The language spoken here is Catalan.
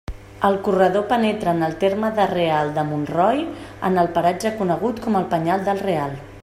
El corredor penetra en el terme de Real de Montroi en el paratge conegut com el Penyal del Real.